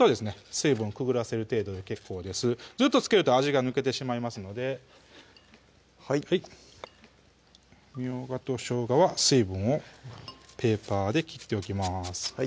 水分くぐらせる程度で結構ですずっとつけると味が抜けてしまいますのではいはいみょうがとしょうがは水分をペーパーで切っておきます